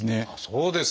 そうですか！